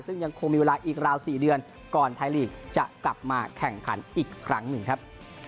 ซึ่งยังคงมีเวลาอีกราว๔เดือนก่อนไทยลีกจะกลับมาแข่งขันอีกครั้งหนึ่งครับ